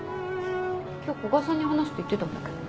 今日古賀さんに話すって言ってたんだけど。